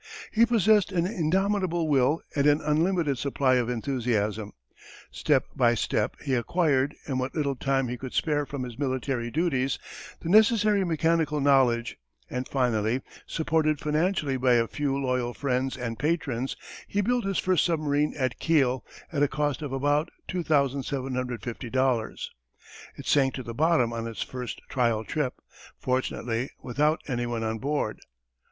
He possessed an indomitable will and an unlimited supply of enthusiasm. Step by step he acquired, in what little time he could spare from his military duties, the necessary mechanical knowledge, and finally, supported financially by a few loyal friends and patrons, he built his first submarine at Kiel at a cost of about $2750. It sank to the bottom on its first trial trip, fortunately without anyone on board.